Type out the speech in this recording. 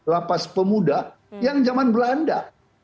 lapas pemuda yang zaman belanda